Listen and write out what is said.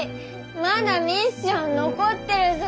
まだミッション残ってるぞ。